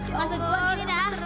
masuk gua gini dah